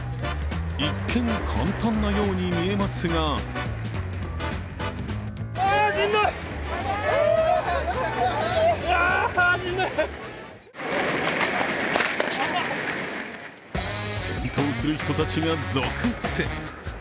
一見、簡単なように見えますが転倒する人たちが続出。